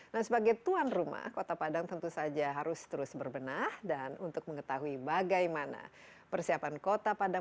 nah sebagai tuan rumah kota padang tentu saja harus terus berbenah dan untuk mengetahui bagaimana persiapan kota padang